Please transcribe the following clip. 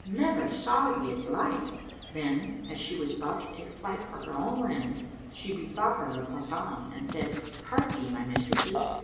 Never saw we its like." Then, as she was about to take flight for her own land, she bethought her of Hasan and said, "Hark ye, my mistresses!"